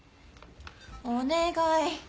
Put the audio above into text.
お願い。